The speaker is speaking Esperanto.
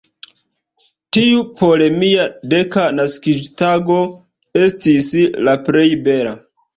Tiu por mia deka naskiĝtago estis la plej bela.